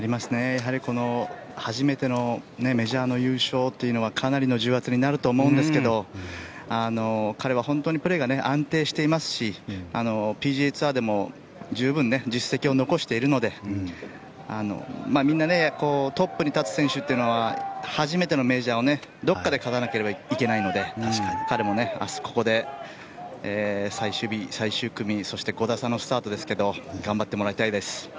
やはり初めてのメジャーの優勝というのはかなりの重圧になると思うんですけど彼は本当にプレーが安定していますしＰＧＡツアーでも十分、実績を残しているのでみんなトップに立つ選手っていうのは初めてのメジャーをどこかで勝たなければいけないので彼も明日ここで最終日、最終組５打差のスタートですが頑張ってもらいたいです。